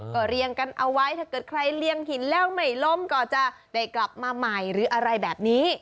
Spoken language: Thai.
ก็เรียงกันเอาไว้ถ้าเกิดใครเรียงหินแล้วไม่ล้มก็จะได้กลับมาใหม่หรืออะไรแบบนี้